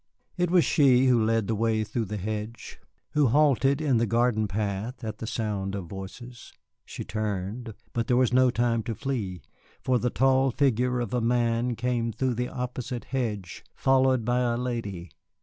It was she who led the way through the hedge, who halted in the garden path at the sound of voices. She turned, but there was no time to flee, for the tall figure of a man came through the opposite hedge, followed by a lady.